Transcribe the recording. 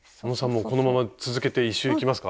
もうこのまま続けて１周いきますか？